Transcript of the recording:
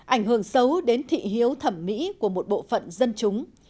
ảnh hưởng xấu đến thị hiếu thẩm mỹ của một bộ phận dân chúng